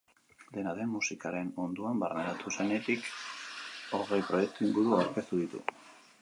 Dena den, musikaren munduan barneratu zenetik hogei proiektu inguru aurkeztu ditu.